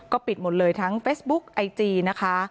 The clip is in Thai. ปิดหมดเลยทั้งเฟซบุ๊กไอจีนะคะ